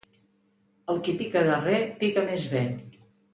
El qui pica darrer, pica més bé.